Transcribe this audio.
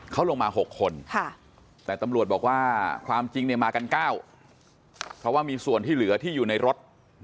เขาลงมา๖คนแต่ตำรวจบอกว่าความจริงเนี่ยมากัน๙เพราะว่ามีส่วนที่เหลือที่อยู่ในรถ